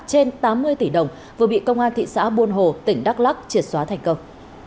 trên tám mươi tỷ đồng vừa bị công an thị xã buôn hồ tỉnh đắk lắc triệt xóa thành công